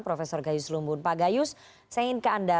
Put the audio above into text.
pak gayus saya ingin ke anda